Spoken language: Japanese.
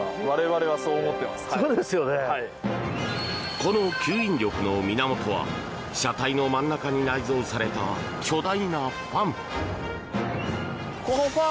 この吸引力の源は車体の真ん中に内蔵された巨大なファン。